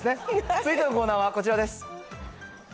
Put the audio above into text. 続いてのコーナーはこちらです。